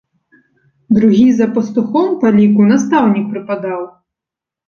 Другі за пастухом па ліку настаўнік прыпадаў.